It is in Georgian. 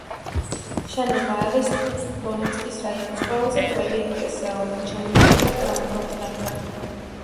შენობა არის უსტ-დონეცკის რაიონის ყველაზე ძველი ეკლესია, რომელიც შემონახულია დღევანდელ დღემდე.